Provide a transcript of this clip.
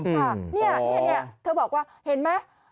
ค่ะนี่เธอบอกว่าเห็นไหม